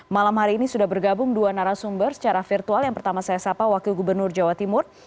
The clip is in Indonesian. malam hari ini sudah bergabung dua narasumber secara virtual yang pertama saya sapa wakil gubernur jawa timur